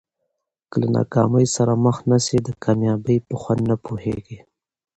که له ناکامۍ سره مخ نه سې د کامیابۍ په خوند نه پوهېږې.